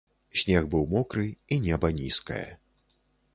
Снег быў мокры, і неба нізкае.